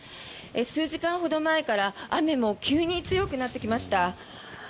数時間ほど前から雨も急に強くなってきました。